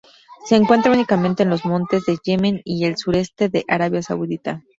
Se encuentra únicamente en los montes de Yemen y el sureste de Arabia Saudita.